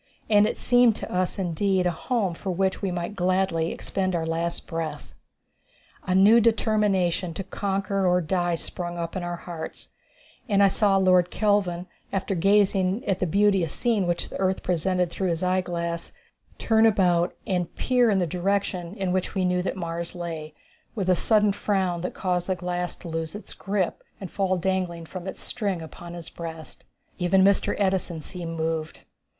And it seemed to us indeed a home for which we might gladly expend our last breath. A new determination to conquer or die sprung up in our hearts, and I saw Lord Kelvin, after gazing at the beauteous scene which the earth presented through his eyeglass, turn about and peer in the direction in which we knew that Mars lay, with a sudden frown that caused the glass to lose its grip and fall dangling from its string upon his breast. Even Mr. Edison seemed moved.